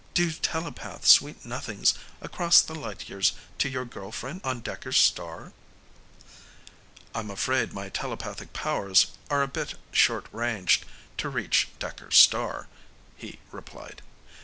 Do you telepath sweet nothings across the light years to your girl friend on Dekker's star?" "I'm afraid my telepathic powers are a bit short ranged to reach Dekker's star," he replied.